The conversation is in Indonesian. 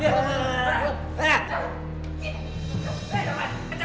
cepet ambil kuncinya